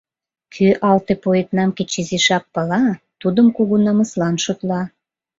Кӧ алте поэтнам кеч изишак пала, тидым кугу намыслан шотла.